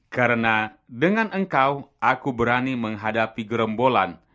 karena dengan engkau aku berani menghadapi gerembolan